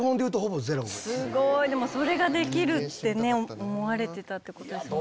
すごいでもそれができるって思われてたってことですもんね。